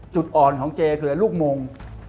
จุดอ่อนของเจคือลูกมง